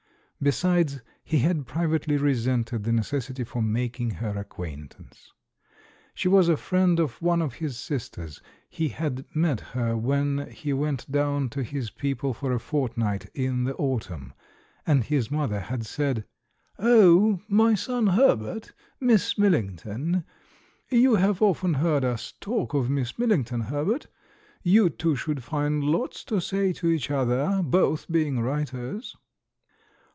Besides, he had privately resented the necessity for making her acquaint ance. She was a friend of one of his sisters — ^he had met her when he went down to his people for a fortnight in the autumn; and his mother had said: "Oh, my son Herbert — ISIiss Millington. You have often heard us talk of Miss Millington, Herbert? You two should find lots to say to each other, both being writers."